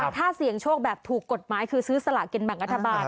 ถ้าเสี่ยงโชคแบบถูกกฎหมายคือซื้อสลากินแบ่งรัฐบาล